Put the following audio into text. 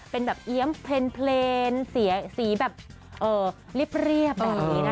เป็นแบบเอี๊ยมเพลินสีแบบเรียบแบบนี้นะคะ